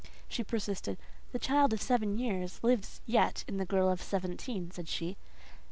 She persisted. "The child of seven years lives yet in the girl of seventeen," said she.